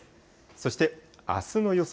そしてあすの予想